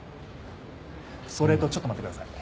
それとちょっと待ってください。